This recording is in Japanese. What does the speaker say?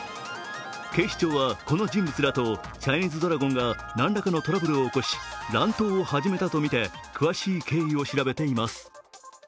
警視庁は、この人物らとチャイニーズドラゴンがなんらかのトラブルを起こし乱闘を始めたと見て詳しい経緯を調べています。